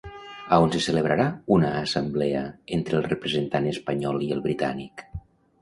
A on se celebrarà una assemblea entre el representant espanyol i el britànic?